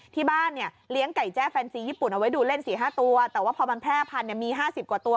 ที่บ้านเนี่ยเลี้ยงไก่แจ้แฟนซีญี่ปุ่นเอาไว้ดูเล่น๔๕ตัวแต่ว่าพอมันแพร่พันเนี่ยมี๕๐กว่าตัว